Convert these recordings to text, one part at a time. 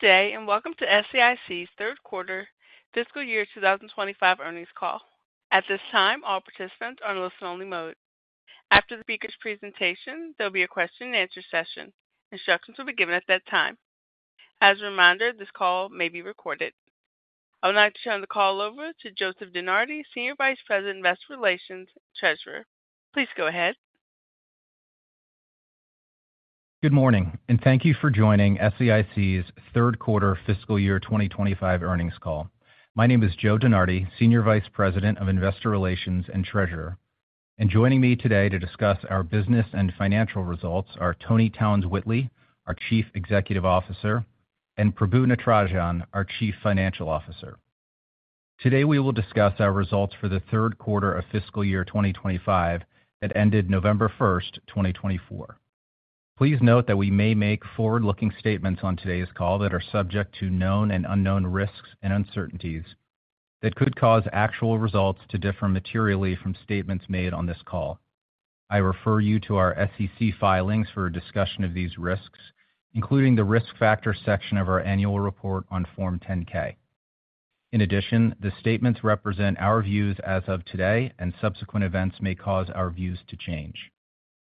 Good day and welcome to SAIC's third quarter fiscal year 2025 earnings call. At this time, all participants are in listen-only mode. After the speaker's presentation, there will be a question-and-answer session. Instructions will be given at that time. As a reminder, this call may be recorded. I would like to turn the call over to Joseph Denardi, Senior Vice President, Investor Relations, Treasurer. Please go ahead. Good morning, and thank you for joining SAIC's third quarter fiscal year 2025 earnings call. My name is Joe Denardi, Senior Vice President of Investor Relations and Treasurer. And joining me today to discuss our business and financial results are Toni Townes-Whitley, our Chief Executive Officer, and Prabu Natarajan, our Chief Financial Officer. Today, we will discuss our results for the third quarter of fiscal year 2025 that ended November 1, 2024. Please note that we may make forward-looking statements on today's call that are subject to known and unknown risks and uncertainties that could cause actual results to differ materially from statements made on this call. I refer you to our SEC filings for a discussion of these risks, including the risk factor section of our annual report on Form 10-K. In addition, the statements represent our views as of today, and subsequent events may cause our views to change.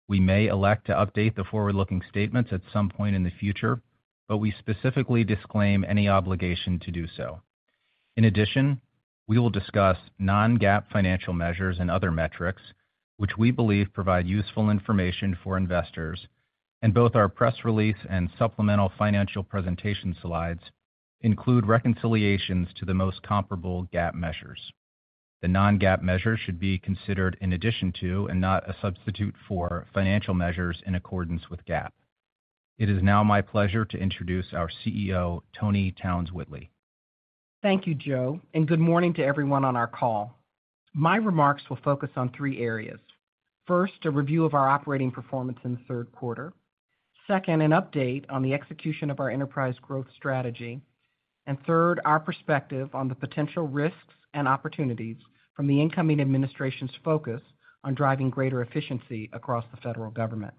We may elect to update the forward-looking statements at some point in the future, but we specifically disclaim any obligation to do so. In addition, we will discuss non-GAAP financial measures and other metrics, which we believe provide useful information for investors, and both our press release and supplemental financial presentation slides include reconciliations to the most comparable GAAP measures. The non-GAAP measures should be considered in addition to, and not a substitute for, financial measures in accordance with GAAP. It is now my pleasure to introduce our CEO, Toni Townes-Whitley. Thank you, Joe, and good morning to everyone on our call. My remarks will focus on three areas. First, a review of our operating performance in the third quarter. Second, an update on the execution of our enterprise growth strategy. And third, our perspective on the potential risks and opportunities from the incoming administration's focus on driving greater efficiency across the federal government.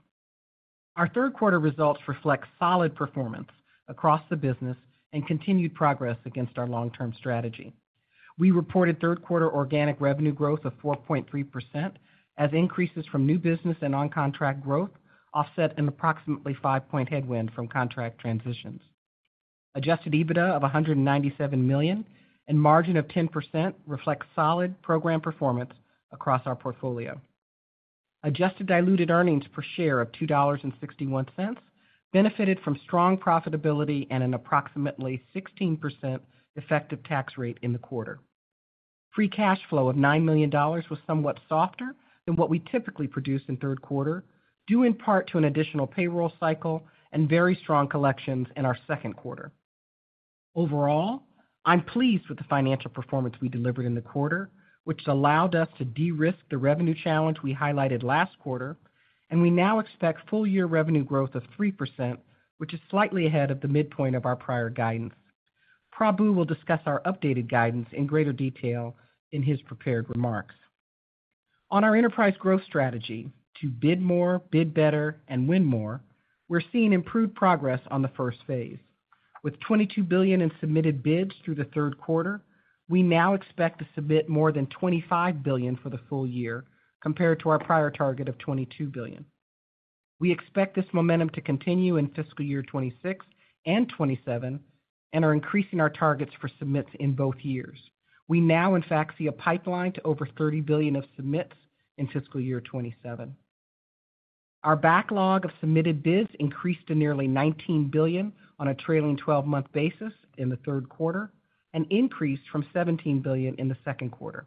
Our third quarter results reflect solid performance across the business and continued progress against our long-term strategy. We reported third quarter organic revenue growth of 4.3%, as increases from new business and on-contract growth offset an approximately 5-point headwind from contract transitions. Adjusted EBITDA of $197 million and margin of 10% reflect solid program performance across our portfolio. Adjusted Diluted Earnings Per Share of $2.61 benefited from strong profitability and an approximately 16% effective tax rate in the quarter. Free cash flow of $9 million was somewhat softer than what we typically produce in third quarter, due in part to an additional payroll cycle and very strong collections in our second quarter. Overall, I'm pleased with the financial performance we delivered in the quarter, which allowed us to de-risk the revenue challenge we highlighted last quarter, and we now expect full-year revenue growth of 3%, which is slightly ahead of the midpoint of our prior guidance. Prabu will discuss our updated guidance in greater detail in his prepared remarks. On our enterprise growth strategy to bid more, bid better, and win more, we're seeing improved progress on the first phase. With $22 billion in submitted bids through the third quarter, we now expect to submit more than $25 billion for the full year compared to our prior target of $22 billion. We expect this momentum to continue in fiscal year 26 and 27 and are increasing our targets for submits in both years. We now, in fact, see a pipeline to over $30 billion of submits in fiscal year 27. Our backlog of submitted bids increased to nearly $19 billion on a trailing 12-month basis in the third quarter and increased from $17 billion in the second quarter.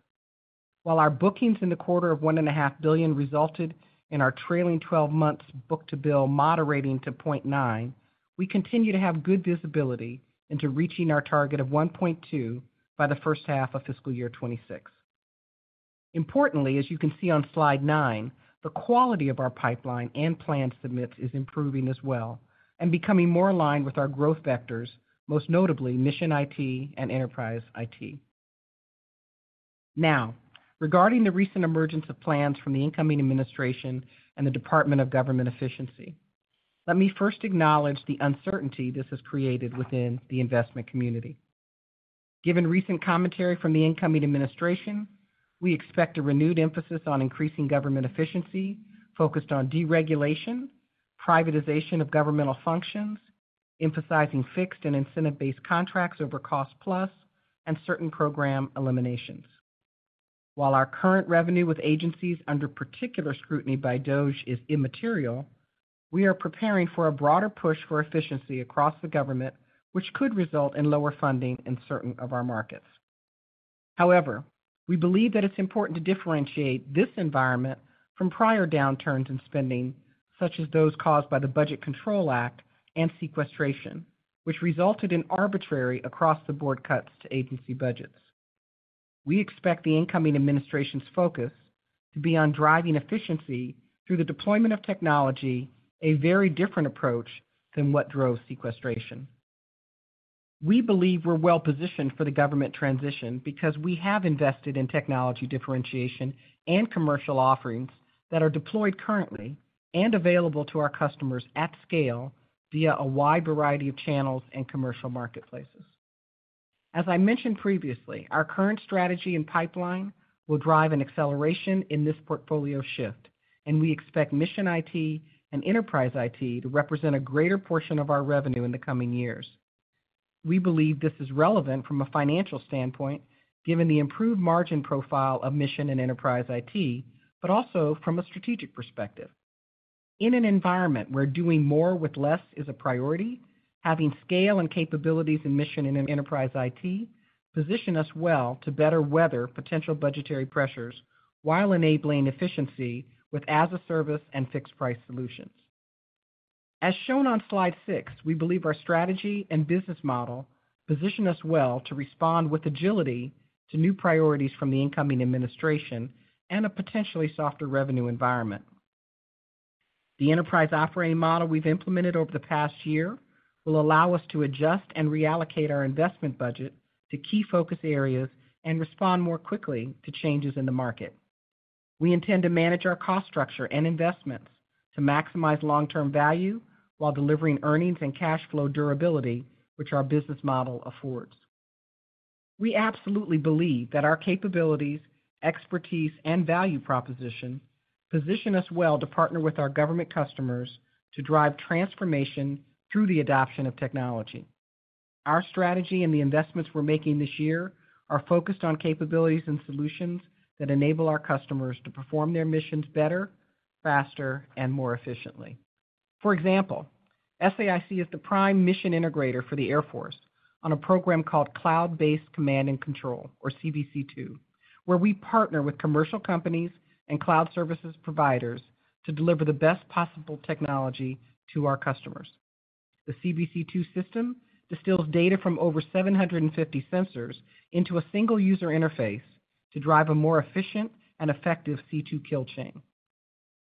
While our bookings in the quarter of $1.5 billion resulted in our trailing 12-month book-to-bill moderating to 0.9, we continue to have good visibility into reaching our target of 1.2 by the first half of fiscal year 26. Importantly, as you can see on slide 9, the quality of our pipeline and planned submits is improving as well and becoming more aligned with our growth vectors, most notably mission IT and enterprise IT. Now, regarding the recent emergence of plans from the incoming administration and the Department of Government Efficiency, let me first acknowledge the uncertainty this has created within the investment community. Given recent commentary from the incoming administration, we expect a renewed emphasis on increasing government efficiency focused on deregulation, privatization of governmental functions, emphasizing fixed and incentive-based contracts over cost-plus, and certain program eliminations. While our current revenue with agencies under particular scrutiny by DOGE is immaterial, we are preparing for a broader push for efficiency across the government, which could result in lower funding in certain of our markets. However, we believe that it's important to differentiate this environment from prior downturns in spending, such as those caused by the Budget Control Act and sequestration, which resulted in arbitrary across-the-board cuts to agency budgets. We expect the incoming administration's focus to be on driving efficiency through the deployment of technology, a very different approach than what drove sequestration. We believe we're well-positioned for the government transition because we have invested in technology differentiation and commercial offerings that are deployed currently and available to our customers at scale via a wide variety of channels and commercial marketplaces. As I mentioned previously, our current strategy and pipeline will drive an acceleration in this portfolio shift, and we expect mission IT and enterprise IT to represent a greater portion of our revenue in the coming years. We believe this is relevant from a financial standpoint, given the improved margin profile of mission and enterprise IT, but also from a strategic perspective. In an environment where doing more with less is a priority, having scale and capabilities in mission and enterprise IT positions us well to better weather potential budgetary pressures while enabling efficiency with as-a-service and fixed-price solutions. As shown on slide six, we believe our strategy and business model position us well to respond with agility to new priorities from the incoming administration and a potentially softer revenue environment. The enterprise operating model we've implemented over the past year will allow us to adjust and reallocate our investment budget to key focus areas and respond more quickly to changes in the market. We intend to manage our cost structure and investments to maximize long-term value while delivering earnings and cash flow durability, which our business model affords. We absolutely believe that our capabilities, expertise, and value proposition position us well to partner with our government customers to drive transformation through the adoption of technology. Our strategy and the investments we're making this year are focused on capabilities and solutions that enable our customers to perform their missions better, faster, and more efficiently. For example, SAIC is the prime mission integrator for the Air Force on a program called Cloud-Based Command and Control, or CBC2, where we partner with commercial companies and cloud services providers to deliver the best possible technology to our customers. The CBC2 system distills data from over 750 sensors into a single user interface to drive a more efficient and effective C2 kill chain.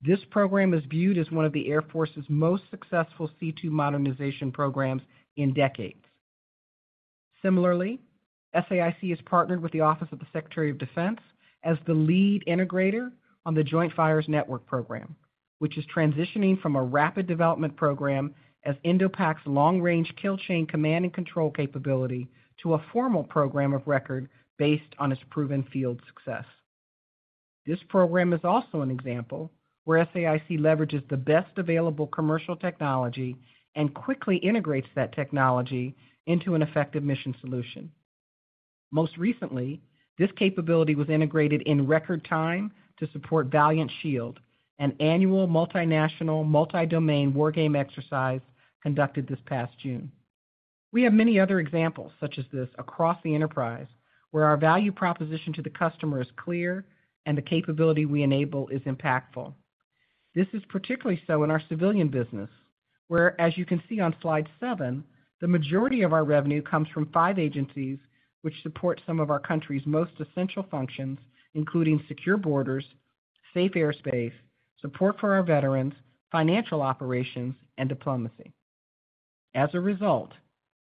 This program is viewed as one of the Air Force's most successful C2 modernization programs in decades. Similarly, SAIC has partnered with the Office of the Secretary of Defense as the lead integrator on the Joint Fires Network program, which is transitioning from a rapid development program as Indo-Pacific's long-range kill chain command and control capability to a formal program of record based on its proven field success. This program is also an example where SAIC leverages the best available commercial technology and quickly integrates that technology into an effective mission solution. Most recently, this capability was integrated in record time to support Valiant Shield, an annual multinational, multi-domain war game exercise conducted this past June. We have many other examples such as this across the enterprise, where our value proposition to the customer is clear and the capability we enable is impactful. This is particularly so in our civilian business, where, as you can see on slide seven, the majority of our revenue comes from five agencies which support some of our country's most essential functions, including secure borders, safe airspace, support for our veterans, financial operations, and diplomacy. As a result,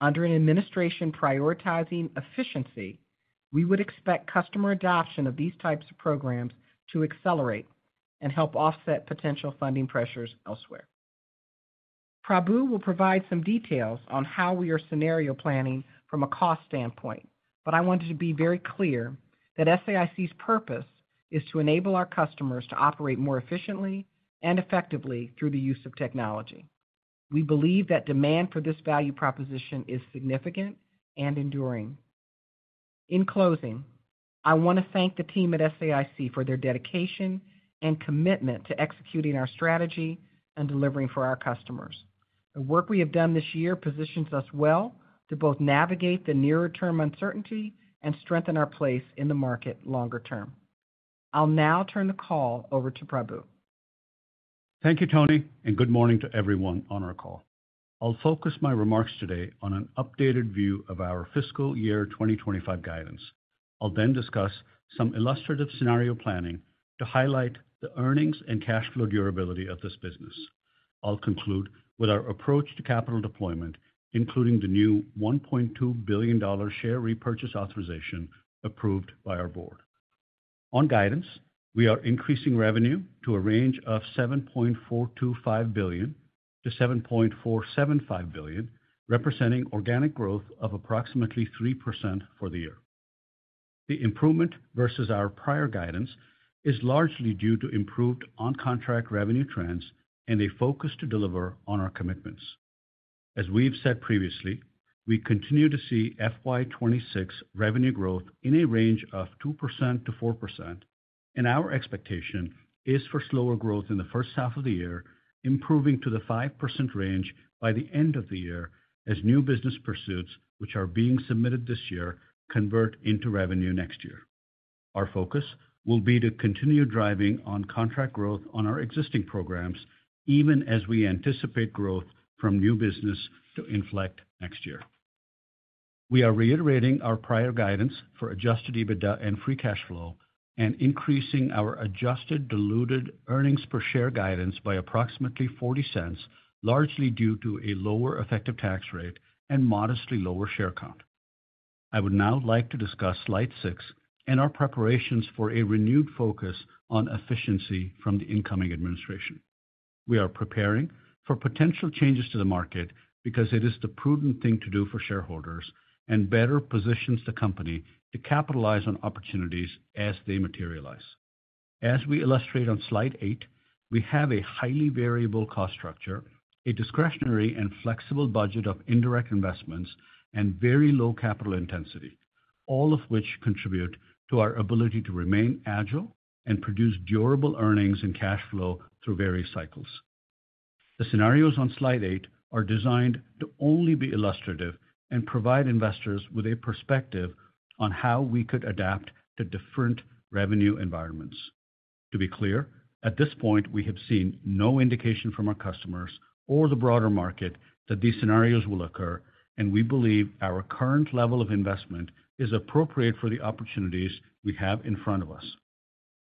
under an administration prioritizing efficiency, we would expect customer adoption of these types of programs to accelerate and help offset potential funding pressures elsewhere. Prabu will provide some details on how we are scenario planning from a cost standpoint, but I wanted to be very clear that SAIC's purpose is to enable our customers to operate more efficiently and effectively through the use of technology. We believe that demand for this value proposition is significant and enduring. In closing, I want to thank the team at SAIC for their dedication and commitment to executing our strategy and delivering for our customers. The work we have done this year positions us well to both navigate the nearer-term uncertainty and strengthen our place in the market longer term. I'll now turn the call over to Prabu. Thank you, Toni, and good morning to everyone on our call. I'll focus my remarks today on an updated view of our fiscal year 2025 guidance. I'll then discuss some illustrative scenario planning to highlight the earnings and cash flow durability of this business. I'll conclude with our approach to capital deployment, including the new $1.2 billion share repurchase authorization approved by our board. On guidance, we are increasing revenue to a range of $7.425 billion-$7.475 billion, representing organic growth of approximately 3% for the year. The improvement versus our prior guidance is largely due to improved on-contract revenue trends and a focus to deliver on our commitments. As we've said previously, we continue to see FY26 revenue growth in a range of 2% to 4%, and our expectation is for slower growth in the first half of the year, improving to the 5% range by the end of the year as new business pursuits, which are being submitted this year, convert into revenue next year. Our focus will be to continue driving on-contract growth on our existing programs, even as we anticipate growth from new business to inflect next year. We are reiterating our prior guidance for Adjusted EBITDA and Free Cash Flow and increasing our Adjusted Diluted Earnings Per Share guidance by approximately $0.40, largely due to a lower effective tax rate and modestly lower share count. I would now like to discuss slide 6 and our preparations for a renewed focus on efficiency from the incoming administration. We are preparing for potential changes to the market because it is the prudent thing to do for shareholders and better positions the company to capitalize on opportunities as they materialize. As we illustrate on slide 8, we have a highly variable cost structure, a discretionary and flexible budget of indirect investments, and very low capital intensity, all of which contribute to our ability to remain agile and produce durable earnings and cash flow through various cycles. The scenarios on slide 8 are designed to only be illustrative and provide investors with a perspective on how we could adapt to different revenue environments. To be clear, at this point, we have seen no indication from our customers or the broader market that these scenarios will occur, and we believe our current level of investment is appropriate for the opportunities we have in front of us.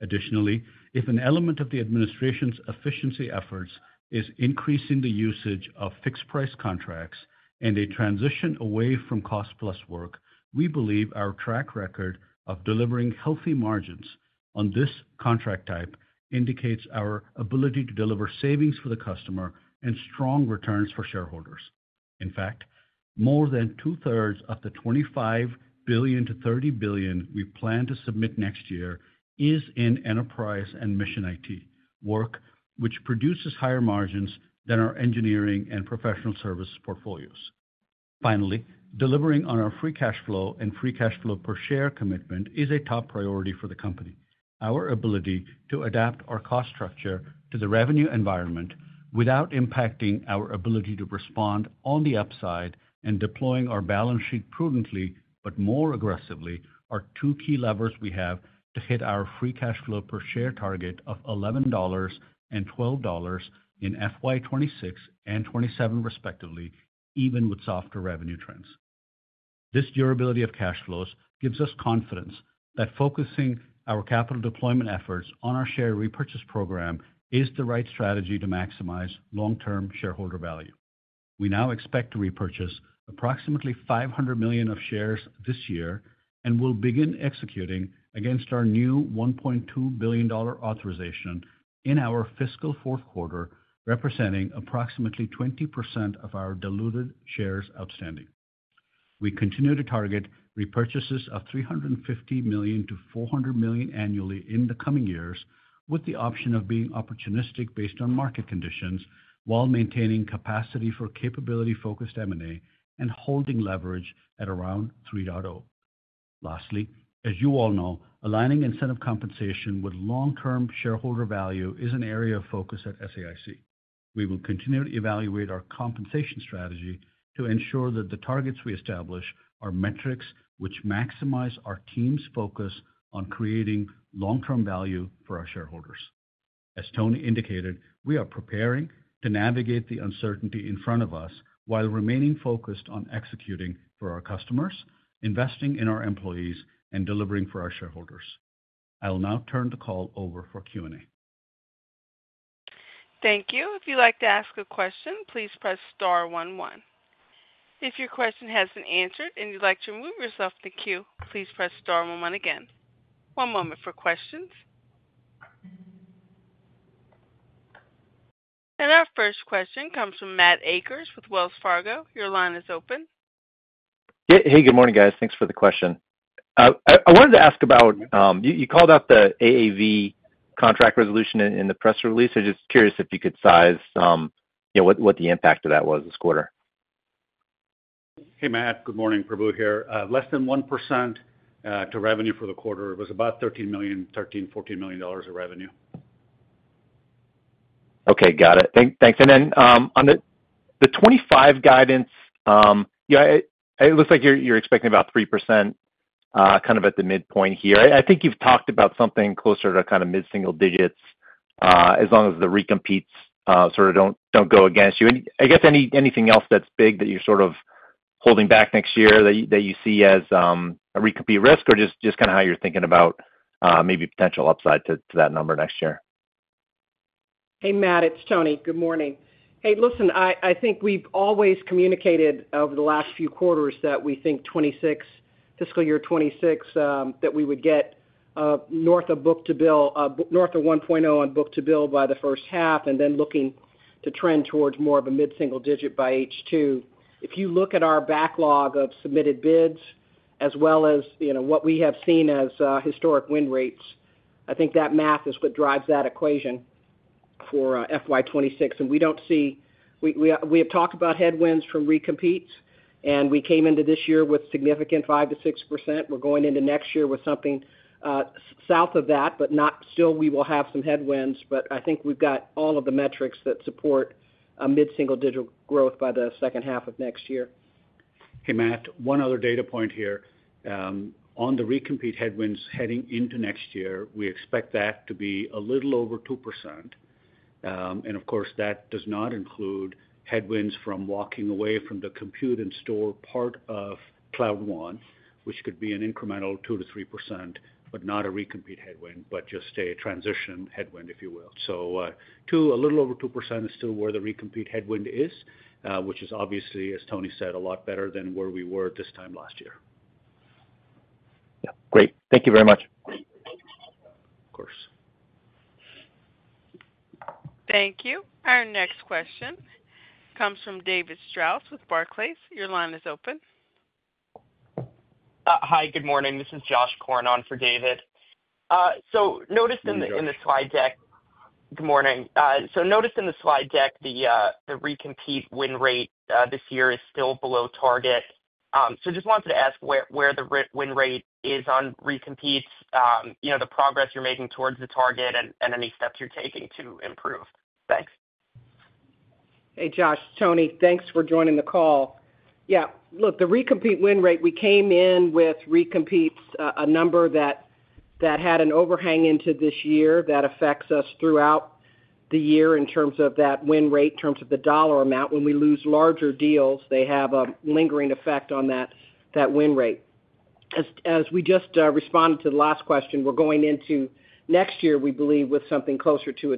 Additionally, if an element of the administration's efficiency efforts is increasing the usage of fixed-price contracts and a transition away from cost-plus work, we believe our track record of delivering healthy margins on this contract type indicates our ability to deliver savings for the customer and strong returns for shareholders. In fact, more than two-thirds of the $25 billion-$30 billion we plan to submit next year is in enterprise and mission IT work, which produces higher margins than our engineering and professional service portfolios. Finally, delivering on our free cash flow and free cash flow per share commitment is a top priority for the company. Our ability to adapt our cost structure to the revenue environment without impacting our ability to respond on the upside and deploying our balance sheet prudently but more aggressively are two key levers we have to hit our free cash flow per share target of $11 and $12 in FY26 and 27, respectively, even with softer revenue trends. This durability of cash flows gives us confidence that focusing our capital deployment efforts on our share repurchase program is the right strategy to maximize long-term shareholder value. We now expect to repurchase approximately $500 million of shares this year and will begin executing against our new $1.2 billion authorization in our fiscal fourth quarter, representing approximately 20% of our diluted shares outstanding. We continue to target repurchases of $350 million-$400 million annually in the coming years, with the option of being opportunistic based on market conditions while maintaining capacity for capability-focused M&A and holding leverage at around $3.00. Lastly, as you all know, aligning incentive compensation with long-term shareholder value is an area of focus at SAIC. We will continue to evaluate our compensation strategy to ensure that the targets we establish are metrics which maximize our team's focus on creating long-term value for our shareholders. As Toni indicated, we are preparing to navigate the uncertainty in front of us while remaining focused on executing for our customers, investing in our employees, and delivering for our shareholders. I'll now turn the call over for Q&A. Thank you. If you'd like to ask a question, please press star one-one. If your question hasn't answered and you'd like to remove yourself from the queue, please press star one-one again. One moment for questions. And our first question comes from Matthew Akers with Wells Fargo. Your line is open. Hey, good morning, guys. Thanks for the question. I wanted to ask about, you called out the AAV contract resolution in the press release. I'm just curious if you could size what the impact of that was this quarter? Hey, Matthew. Good morning. Prabu here. Less than 1% to revenue for the quarter. It was about $13-$14 million of revenue. Okay. Got it. Thanks. And then on the 2025 guidance, it looks like you're expecting about 3% kind of at the midpoint here. I think you've talked about something closer to kind of mid-single digits as long as the recompetes sort of don't go against you. I guess anything else that's big that you're sort of holding back next year that you see as a recompete risk or just kind of how you're thinking about maybe potential upside to that number next year? Hey, Matthew. It's Toni. Good morning. Hey, listen, I think we've always communicated over the last few quarters that we think 2026, fiscal year 2026, that we would get north of book-to-bill, north of 1.0 on book-to-bill by the first half, and then looking to trend towards more of a mid-single digit by 2022. If you look at our backlog of submitted bids as well as what we have seen as historic win rates, I think that math is what drives that equation for FY26. And we don't see we have talked about headwinds from recompetes, and we came into this year with significant 5%-6%. We're going into next year with something south of that, but still, we will have some headwinds. But I think we've got all of the metrics that support mid-single digit growth by the second half of next year. Hey, Matthew. One other data point here. On the recompete headwinds heading into next year, we expect that to be a little over 2%. And of course, that does not include headwinds from walking away from the compute and store part of Cloud One, which could be an incremental 2%-3%, but not a recompete headwind, but just a transition headwind, if you will. So a little over 2% is still where the recompete headwind is, which is obviously, as Toni said, a lot better than where we were this time last year. Yeah. Great. Thank you very much. Of course. Thank you. Our next question comes from David Strauss with Barclays. Your line is open. Hi. Good morning. This is Josh Kornan for David. So noticed in the slide deck. Hey, David. Good morning. So noticed in the slide deck, the recompete win rate this year is still below target. So just wanted to ask where the win rate is on recompetes, the progress you're making towards the target, and any steps you're taking to improve. Thanks. Hey, Josh. Toni, thanks for joining the call. Yeah. Look, the recompete win rate, we came in with recompetes a number that had an overhang into this year that affects us throughout the year in terms of that win rate, in terms of the dollar amount. When we lose larger deals, they have a lingering effect on that win rate. As we just responded to the last question, we're going into next year, we believe, with something closer to a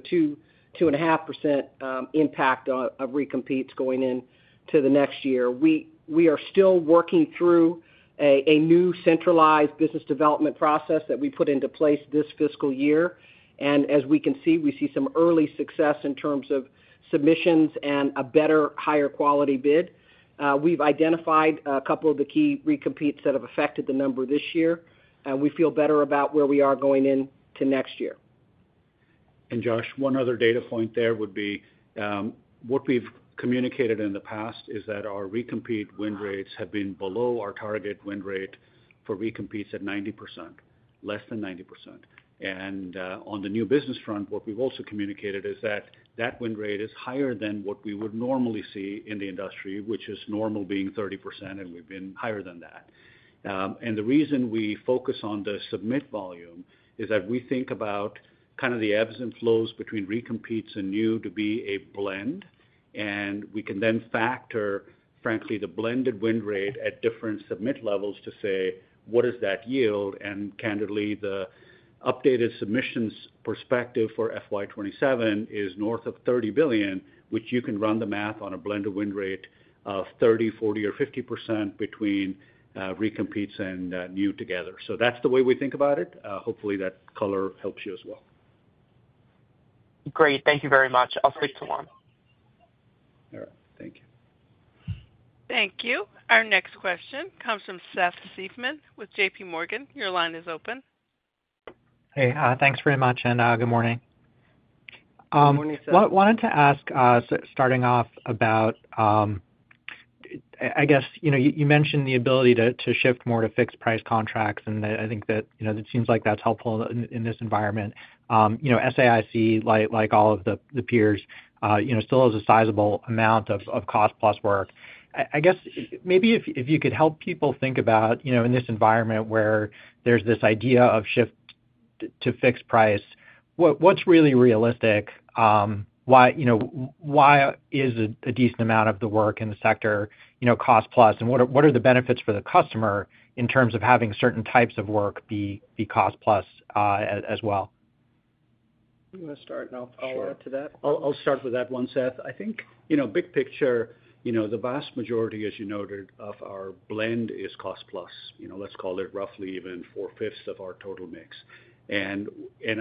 2%-2.5% impact of recompetes going into the next year. We are still working through a new centralized business development process that we put into place this fiscal year and as we can see, we see some early success in terms of submissions and a better, higher quality bid. We've identified a couple of the key recompetes that have affected the number this year. We feel better about where we are going into next year. And, one other data point there would be what we've communicated in the past is that our recompete win rates have been below our target win rate for recompetes at 90%, less than 90%. And on the new business front, what we've also communicated is that that win rate is higher than what we would normally see in the industry, which is normal being 30%, and we've been higher than that. And the reason we focus on the submit volume is that we think about kind of the ebbs and flows between recompetes and new to be a blend. And we can then factor, frankly, the blended win rate at different submit levels to say, "What is that yield?" And candidly, the updated submissions perspective for FY27 is north of $30 billion, which you can run the math on a blended win rate of 30%, 40%, or 50% between recompetes and new together. So that's the way we think about it. Hopefully, that color helps you as well. Great. Thank you very much. I'll switch to Juan. All right. Thank you. Thank you. Our next question comes from Seth Seifman with JPMorgan. Your line is open. Hey, thanks very much. Good morning. Good morning, Seth. Wanted to ask, starting off about, I guess you mentioned the ability to shift more to fixed-price contracts, and I think that it seems like that's helpful in this environment. SAIC, like all of the peers, still has a sizable amount of cost-plus work. I guess maybe if you could help people think about, in this environment where there's this idea of shift to fixed price, what's really realistic? Why is a decent amount of the work in the sector cost-plus? And what are the benefits for the customer in terms of having certain types of work be cost-plus as well? You want to start, and I'll follow up to that? Sure. I'll start with that one, Seth. I think big picture, the vast majority, as you noted, of our blend is cost-plus. Let's call it roughly even four-fifths of our total mix. And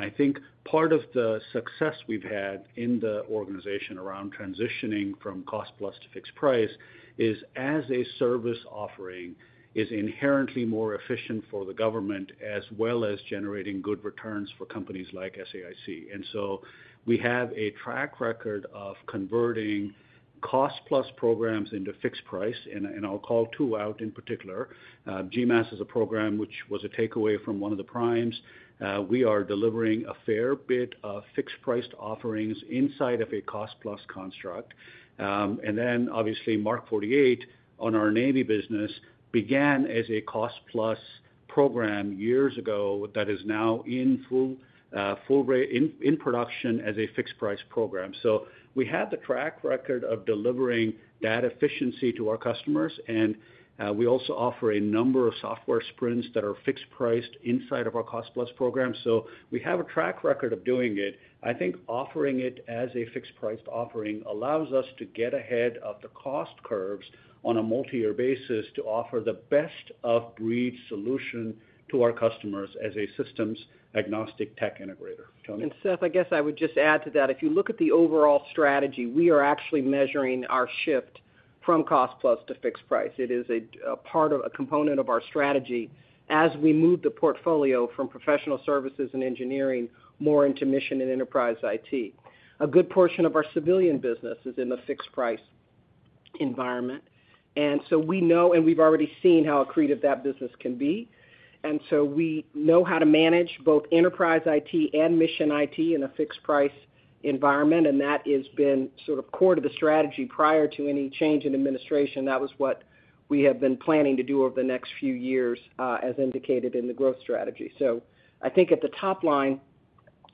I think part of the success we've had in the organization around transitioning from cost-plus to fixed price is as a service offering is inherently more efficient for the government as well as generating good returns for companies like SAIC. And so we have a track record of converting cost-plus programs into fixed price, and I'll call two out in particular. GMASS is a program which was a takeaway from one of the primes. We are delivering a fair bit of fixed-priced offerings inside of a cost-plus construct. And then, obviously, Mark 48 on our Navy business began as a cost-plus program years ago that is now in production as a fixed-price program. So we have the track record of delivering that efficiency to our customers. And we also offer a number of software sprints that are fixed-priced inside of our cost-plus program. So we have a track record of doing it. I think offering it as a fixed-priced offering allows us to get ahead of the cost curves on a multi-year basis to offer the best of breed solution to our customers as a systems-agnostic tech integrator. Seth, I guess I would just add to that. If you look at the overall strategy, we are actually measuring our shift from cost-plus to fixed price. It is a part of a component of our strategy as we move the portfolio from professional services and engineering more into mission and enterprise IT. A good portion of our civilian business is in the fixed-price environment. And so we know and we've already seen how accretive that business can be. And so we know how to manage both enterprise IT and mission IT in a fixed-price environment. And that has been sort of core to the strategy prior to any change in administration. That was what we have been planning to do over the next few years, as indicated in the growth strategy. So I think at the top line,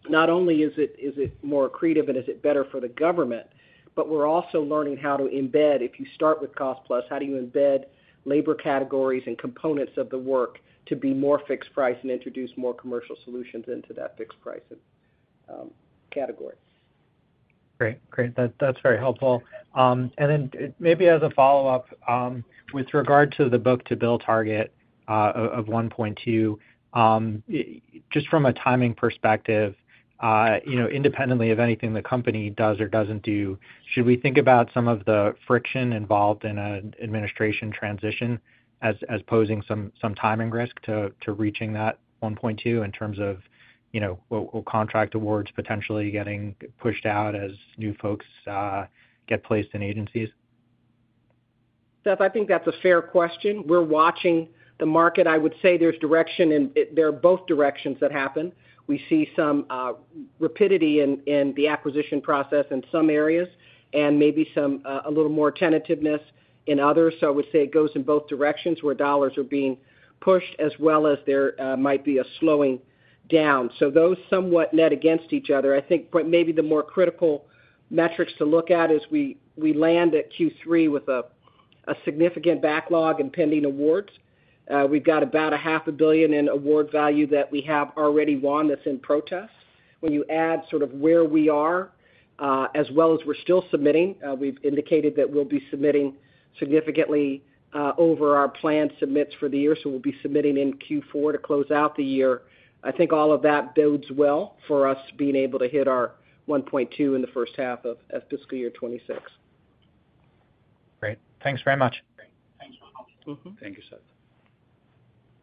not only is it more accretive and is it better for the government, but we're also learning how to embed, if you start with cost-plus, how do you embed labor categories and components of the work to be more fixed-price and introduce more commercial solutions into that fixed-price category. Great. Great. That's very helpful. And then maybe as a follow-up, with regard to the Book-to-Bill target of 1.2, just from a timing perspective, independently of anything the company does or doesn't do, should we think about some of the friction involved in an administration transition as posing some timing risk to reaching that 1.2 in terms of contract awards potentially getting pushed out as new folks get placed in agencies? Seth, I think that's a fair question. We're watching the market. I would say there's direction, and there are both directions that happen. We see some rapidity in the acquisition process in some areas and maybe some a little more tentativeness in others. So I would say it goes in both directions where dollars are being pushed as well as there might be a slowing down. So those somewhat net against each other. I think maybe the more critical metrics to look at is we land at Q3 with a significant backlog and pending awards. We've got about $500 million in award value that we have already won that's in protest. When you add sort of where we are as well as we're still submitting, we've indicated that we'll be submitting significantly over our planned submits for the year. So we'll be submitting in Q4 to close out the year. I think all of that bodes well for us being able to hit our 1.2 in the first half of fiscal year 2026. Great. Thanks very much. Thank you, Seth.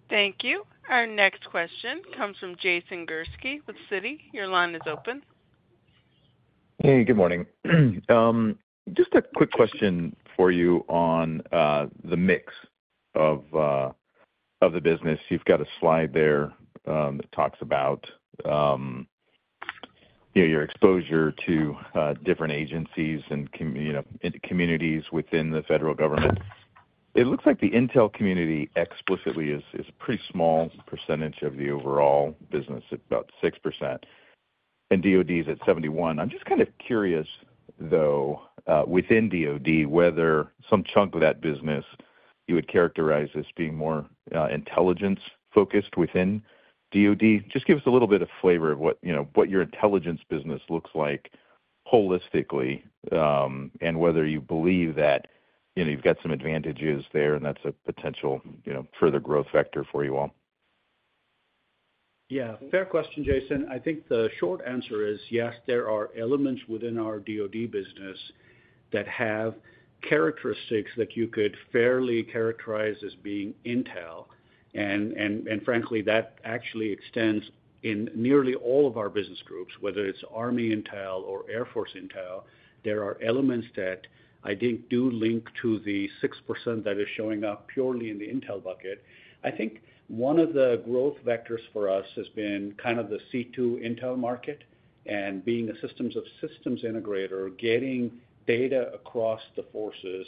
Thank you. Our next question comes from Jason Gursky with Citi. Your line is open. Hey, good morning. Just a quick question for you on the mix of the business. You've got a slide there that talks about your exposure to different agencies and communities within the federal government. It looks like the intel community explicitly is a pretty small percentage of the overall business, about 6%, and DOD is at 71%. I'm just kind of curious, though, within DOD, whether some chunk of that business you would characterize as being more intelligence-focused within DOD. Just give us a little bit of flavor of what your intelligence business looks like holistically and whether you believe that you've got some advantages there and that's a potential further growth factor for you all. Yeah. Fair question, Jason. I think the short answer is yes, there are elements within our DOD business that have characteristics that you could fairly characterize as being intel. And frankly, that actually extends in nearly all of our business groups, whether it's Army intel or Air Force intel. There are elements that I think do link to the 6% that is showing up purely in the intel bucket. I think one of the growth vectors for us has been kind of the C2 intel market and being a systems integrator, getting data across the forces.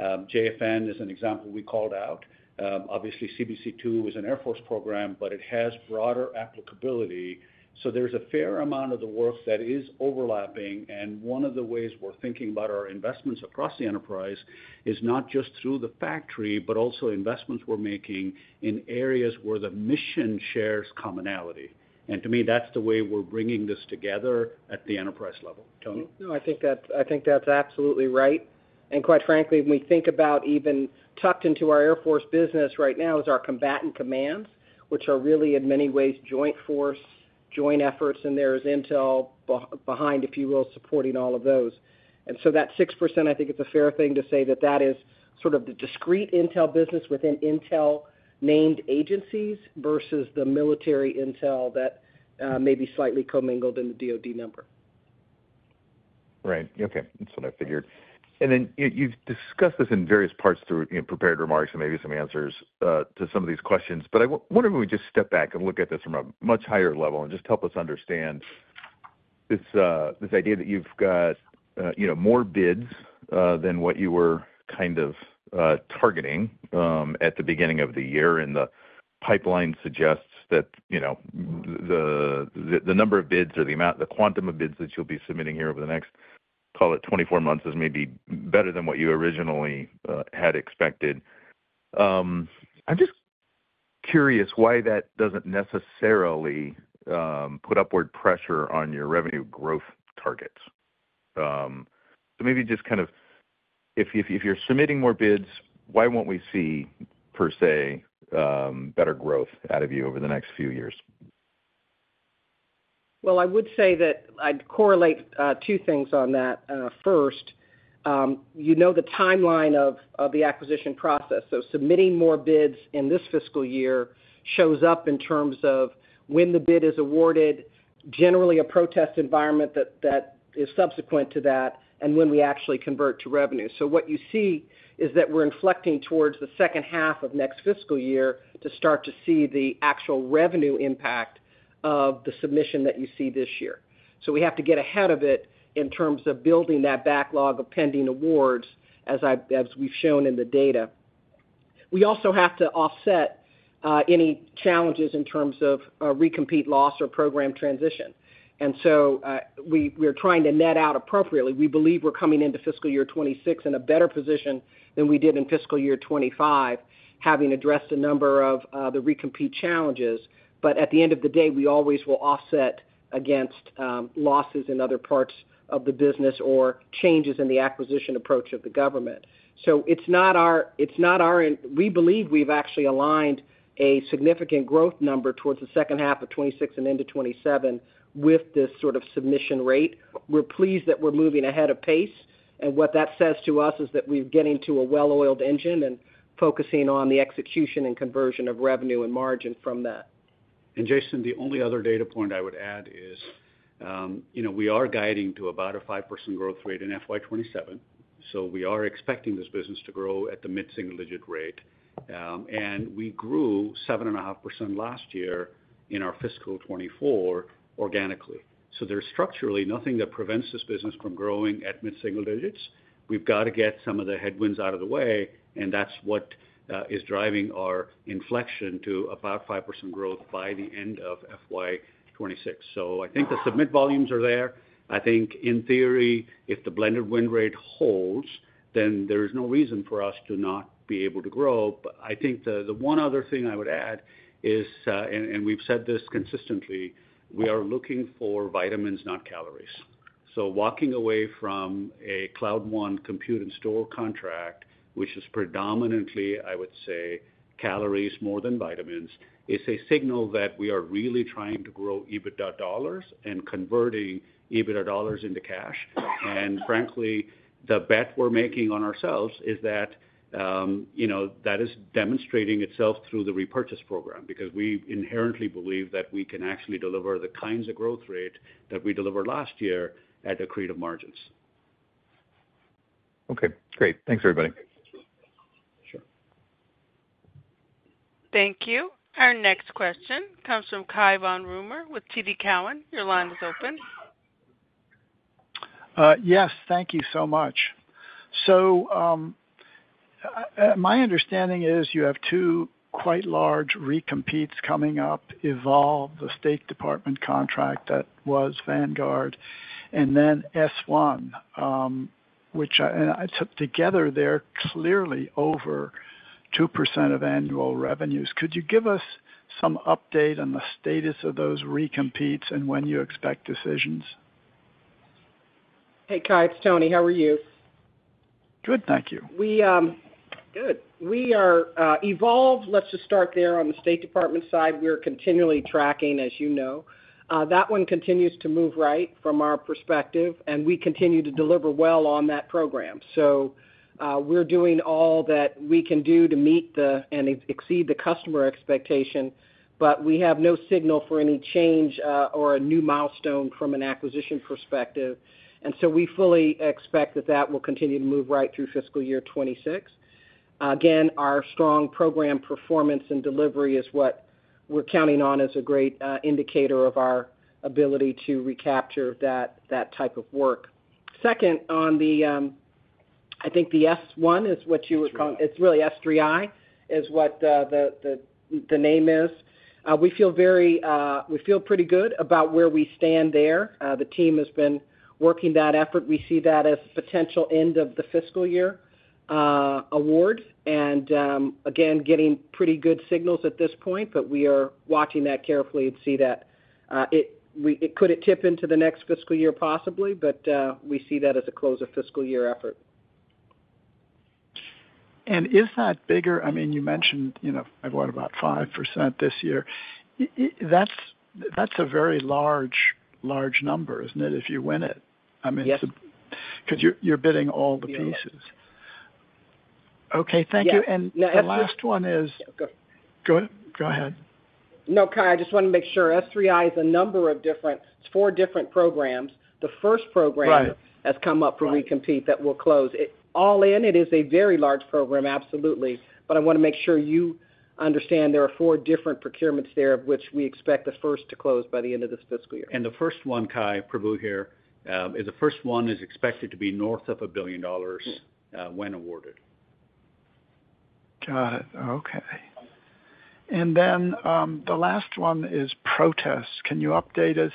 JFN is an example we called out. Obviously, CBC2 is an Air Force program, but it has broader applicability. So there's a fair amount of the work that is overlapping. One of the ways we're thinking about our investments across the enterprise is not just through the factory, but also investments we're making in areas where the mission shares commonality, and to me, that's the way we're bringing this together at the enterprise level. Toni. No, I think that's absolutely right. And quite frankly, when we think about even tucked into our Air Force business right now is our combatant commands, which are really in many ways joint force, joint efforts. And there is intel behind, if you will, supporting all of those. And so that 6%, I think it's a fair thing to say that that is sort of the discrete intel business within intel-named agencies versus the military intel that may be slightly commingled in the DOD number. Right. Okay. That's what I figured. And then you've discussed this in various parts through prepared remarks and maybe some answers to some of these questions. But I wonder if we just step back and look at this from a much higher level and just help us understand this idea that you've got more bids than what you were kind of targeting at the beginning of the year. And the pipeline suggests that the number of bids or the quantum of bids that you'll be submitting here over the next, call it, 24 months is maybe better than what you originally had expected. I'm just curious why that doesn't necessarily put upward pressure on your revenue growth targets. So maybe just kind of if you're submitting more bids, why won't we see, per se, better growth out of you over the next few years? Well, I would say that I'd correlate two things on that. First, you know the timeline of the acquisition process. So submitting more bids in this fiscal year shows up in terms of when the bid is awarded, generally a protest environment that is subsequent to that, and when we actually convert to revenue. So what you see is that we're inflecting towards the second half of next fiscal year to start to see the actual revenue impact of the submission that you see this year. So we have to get ahead of it in terms of building that backlog of pending awards, as we've shown in the data. We also have to offset any challenges in terms of recompete loss or program transition. And so we're trying to net out appropriately. We believe we're coming into fiscal year 2026 in a better position than we did in fiscal year 2025, having addressed a number of the recompete challenges. But at the end of the day, we always will offset against losses in other parts of the business or changes in the acquisition approach of the government. So it's not our we believe we've actually aligned a significant growth number towards the second half of 2026 and into 2027 with this sort of submission rate. We're pleased that we're moving ahead of pace. And what that says to us is that we're getting to a well-oiled engine and focusing on the execution and conversion of revenue and margin from that. Jason, the only other data point I would add is we are guiding to about a 5% growth rate in FY 2027. So we are expecting this business to grow at the mid-single-digit rate. We grew 7.5% last year in our fiscal 2024 organically. There's structurally nothing that prevents this business from growing at mid-single digits. We've got to get some of the headwinds out of the way. That's what is driving our inflection to about 5% growth by the end of FY 2026. I think the submission volumes are there. I think in theory, if the blended win rate holds, then there is no reason for us to not be able to grow. But I think the one other thing I would add is, and we've said this consistently, we are looking for vitamins, not calories. So walking away from a Cloud One compute and store contract, which is predominantly, I would say, calories more than vitamins, is a signal that we are really trying to grow EBITDA dollars and converting EBITDA dollars into cash. And frankly, the bet we're making on ourselves is that that is demonstrating itself through the repurchase program because we inherently believe that we can actually deliver the kinds of growth rate that we delivered last year at accretive margins. Okay. Great. Thanks, everybody. Sure. Thank you. Our next question comes from Cai von Rumohr with TD Cowen. Your line is open. Yes. Thank you so much. So my understanding is you have two quite large recompetes coming up: Evolve, the State Department contract that was Vanguard, and then S3I, which together they're clearly over 2% of annual revenues. Could you give us some update on the status of those recompetes and when you expect decisions? Hey, Cai. It's Toni. How are you? Good. Thank you. Good. We are Evolve. Let's just start there on the State Department side. We're continually tracking, as you know. That one continues to move right from our perspective. And we continue to deliver well on that program. So we're doing all that we can do to meet and exceed the customer expectation. But we have no signal for any change or a new milestone from an acquisition perspective. And so we fully expect that that will continue to move right through fiscal year 2026. Again, our strong program performance and delivery is what we're counting on as a great indicator of our ability to recapture that type of work. Second, on the I think the S1 is what you would call it's really S3I is what the name is. We feel pretty good about where we stand there. The team has been working that effort. We see that as a potential end of the fiscal year award. And again, getting pretty good signals at this point, but we are watching that carefully and see that it could tip into the next fiscal year possibly, but we see that as a close of fiscal year effort. And is that bigger? I mean, you mentioned I've won about 5% this year. That's a very large number, isn't it, if you win it? I mean, because you're bidding all the pieces. Okay. Thank you. And the last one is go ahead. No, Cai, I just want to make sure. S3I is a number of different; it's four different programs. The first program has come up for recompete that will close. All in, it is a very large program, absolutely. But I want to make sure you understand there are four different procurements there, of which we expect the first to close by the end of this fiscal year. And the first one, Cai, Prabu here, is expected to be north of $1 billion when awarded. Got it. Okay. And then the last one is protests. Can you update us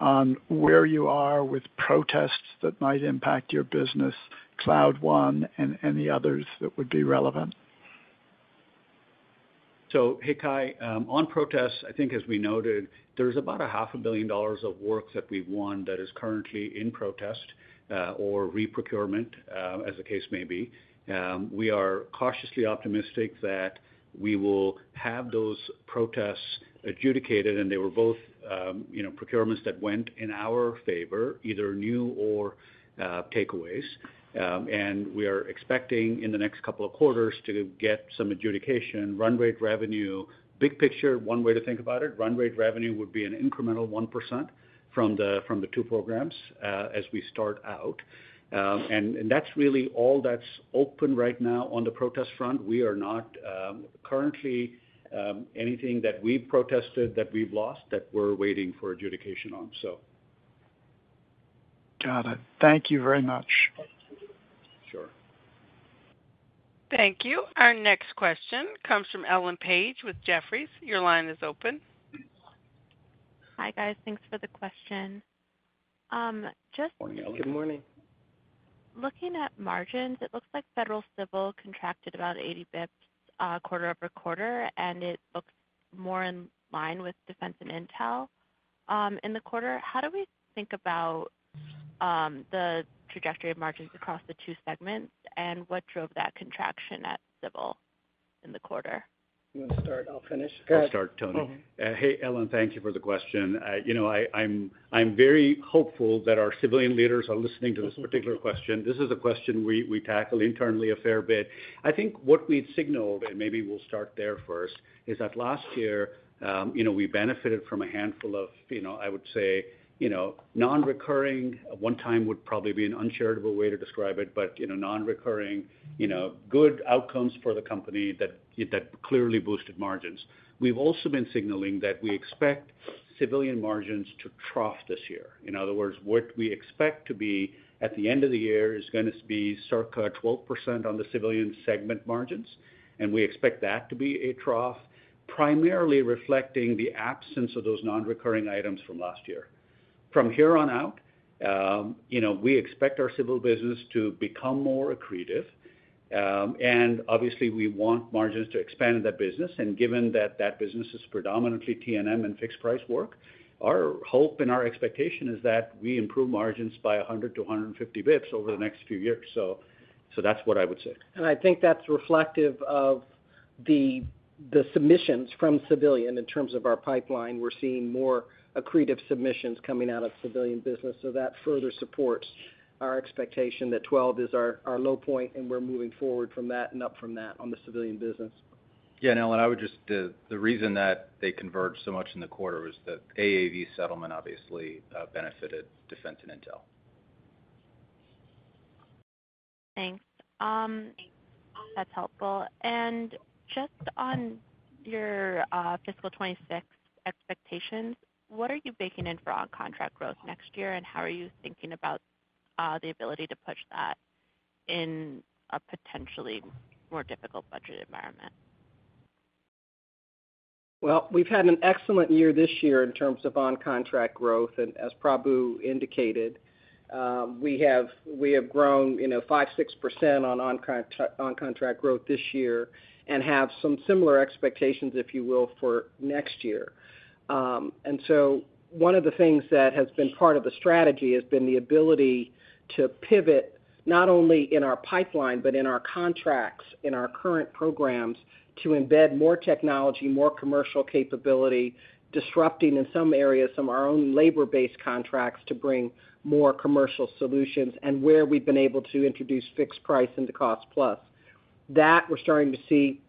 on where you are with protests that might impact your business, Cloud One, and any others that would be relevant? Hey, Cai, on protests, I think as we noted, there's about $500 million of work that we've won that is currently in protest or reprocurement, as the case may be. We are cautiously optimistic that we will have those protests adjudicated. They were both procurements that went in our favor, either new or takeaways. We are expecting in the next couple of quarters to get some adjudication, run rate revenue. Big picture, one way to think about it, run rate revenue would be an incremental 1% from the two programs as we start out. That's really all that's open right now on the protest front. We are not currently anything that we've protested that we've lost that we're waiting for adjudication on, so. Got it. Thank you very much. Sure. Thank you. Our next question comes from Ellen Page with Jefferies. Your line is open. Hi, guys. Thanks for the question. Morning, Ellen. Good morning. Looking at margins, it looks like Federal Civil contracted about 80 basis points quarter over quarter, and it looks more in line with defense and intel. In the quarter, how do we think about the trajectory of margins across the two segments and what drove that contraction at Civil in the quarter? You want to start? I'll finish. Go ahead. I'll start, Toni. Hey, Ellen, thank you for the question. I'm very hopeful that our civilian leaders are listening to this particular question. This is a question we tackle internally a fair bit. I think what we've signaled, and maybe we'll start there first, is that last year we benefited from a handful of, I would say, non-recurring one time would probably be an uncharitable way to describe it, but non-recurring good outcomes for the company that clearly boosted margins. We've also been signaling that we expect civilian margins to trough this year. In other words, what we expect to be at the end of the year is going to be circa 12% on the civilian segment margins. And we expect that to be a trough, primarily reflecting the absence of those non-recurring items from last year. From here on out, we expect our civil business to become more accretive. And obviously, we want margins to expand in that business. And given that that business is predominantly T&M and fixed price work, our hope and our expectation is that we improve margins by 100-150 basis points over the next few years. So that's what I would say. And I think that's reflective of the submissions from civilian in terms of our pipeline. We're seeing more accretive submissions coming out of civilian business. So that further supports our expectation that 12 is our low point, and we're moving forward from that and up from that on the civilian business. Yeah. And Ellen, I would just the reason that they converged so much in the quarter was that AAV settlement obviously benefited defense and intel. Thanks. That's helpful and just on your fiscal 2026 expectations, what are you baking in for on-contract growth next year, and how are you thinking about the ability to push that in a potentially more difficult budget environment? We've had an excellent year this year in terms of on-contract growth. As Prabu indicated, we have grown 5-6% on-contract growth this year and have some similar expectations, if you will, for next year. One of the things that has been part of the strategy has been the ability to pivot not only in our pipeline, but in our contracts, in our current programs to embed more technology, more commercial capability, disrupting in some areas some of our own labor-based contracts to bring more commercial solutions, and where we've been able to introduce fixed-price into cost-plus. That we're starting to see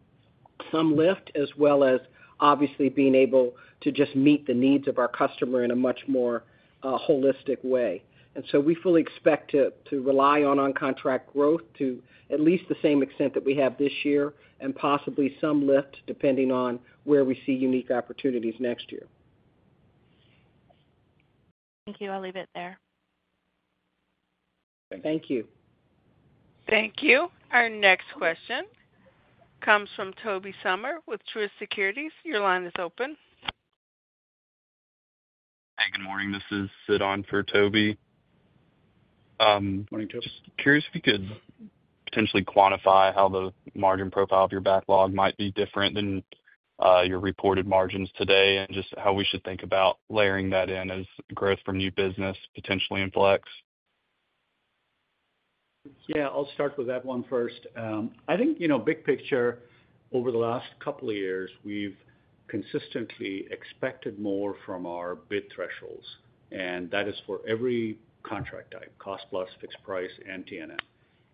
some lift as well as obviously being able to just meet the needs of our customer in a much more holistic way. So we fully expect to rely on on-contract growth to at least the same extent that we have this year and possibly some lift depending on where we see unique opportunities next year. Thank you. I'll leave it there. Thanks. Thank you. Thank you. Our next question comes from Tobey Sommer with Truist Securities. Your line is open. Hi, good morning. This is Sidon for Tobey. Morning, Joe. Just curious if you could potentially quantify how the margin profile of your backlog might be different than your reported margins today and just how we should think about layering that in as growth from new business potentially inflects? Yeah. I'll start with that one first. I think big picture, over the last couple of years, we've consistently expected more from our bid thresholds. And that is for every contract type: cost plus, fixed price, and T&M.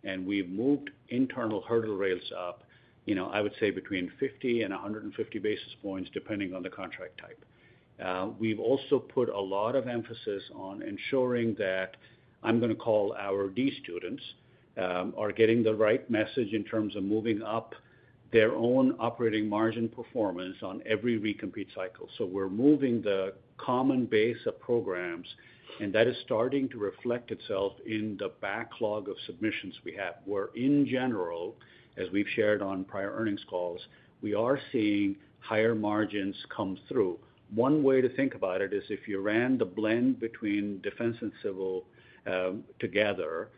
And we've moved internal hurdle rates up, I would say, between 50 and 150 basis points depending on the contract type. We've also put a lot of emphasis on ensuring that I'm going to call our D students are getting the right message in terms of moving up their own operating margin performance on every recompete cycle. So we're moving the common base of programs, and that is starting to reflect itself in the backlog of submissions we have. Where in general, as we've shared on prior earnings calls, we are seeing higher margins come through. One way to think about it is if you ran the blend between defense and civil together,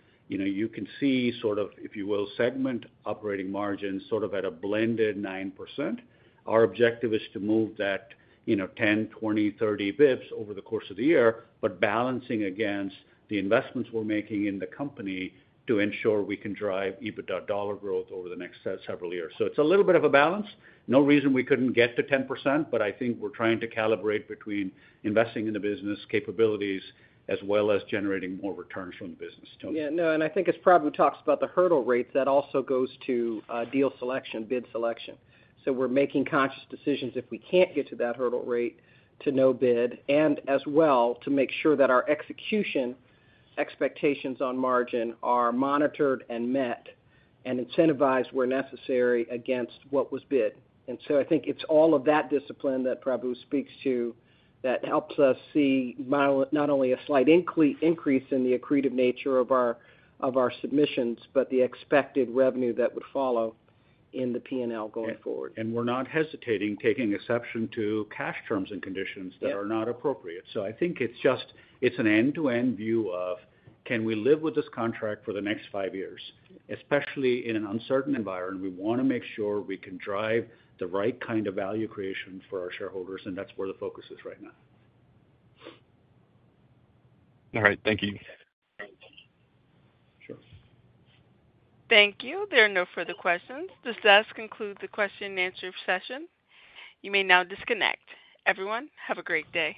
you can see sort of, if you will, segment operating margins sort of at a blended 9%. Our objective is to move that 10, 20, 30 basis points over the course of the year, but balancing against the investments we're making in the company to ensure we can drive EBITDA dollar growth over the next several years. So it's a little bit of a balance. No reason we couldn't get to 10%, but I think we're trying to calibrate between investing in the business capabilities as well as generating more returns from the business, Toni. Yeah. No, and I think as Prabu talks about the hurdle rates, that also goes to deal selection, bid selection. So we're making conscious decisions if we can't get to that hurdle rate to no bid and as well to make sure that our execution expectations on margin are monitored and met and incentivized where necessary against what was bid. And so I think it's all of that discipline that Prabu speaks to that helps us see not only a slight increase in the accretive nature of our submissions, but the expected revenue that would follow in the P&L going forward. And we're not hesitating taking exception to such terms and conditions that are not appropriate. So I think it's just an end-to-end view of can we live with this contract for the next five years, especially in an uncertain environment. We want to make sure we can drive the right kind of value creation for our shareholders, and that's where the focus is right now. All right. Thank you. Sure. Thank you. There are no further questions. Does this conclude the question and answer session? You may now disconnect. Everyone, have a great day.